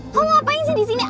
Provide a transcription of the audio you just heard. kamu ngapain sih disini